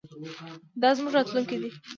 دا زموږ راتلونکی دی.